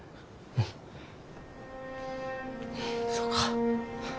うんそうか。